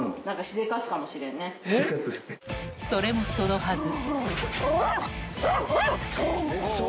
それもそのはず